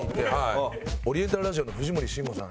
オリエンタルラジオの藤森慎吾さん。